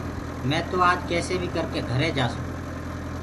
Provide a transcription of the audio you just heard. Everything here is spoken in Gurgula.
مينٚ تو آج ڪيسي بيٚ ڪرڪي گھري جآسونٚ